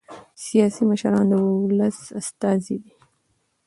سیاسي مشران د ولس استازي دي